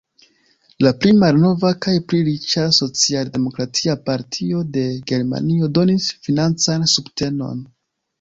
La pli malnova kaj pli riĉa Socialdemokratia Partio de Germanio donis financan subtenon.